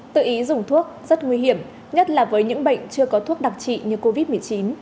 tự ý dùng thuốc rất nguy hiểm nhất là với những bệnh chưa có thuốc đặc trị như covid một mươi chín